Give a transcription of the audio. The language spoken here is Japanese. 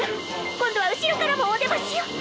今度は後ろからもおでましよ！